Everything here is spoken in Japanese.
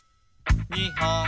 「２ほん」